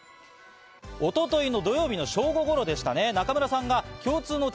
一昨日、土曜日の正午頃でした。